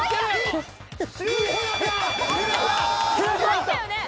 ［入ったよね？］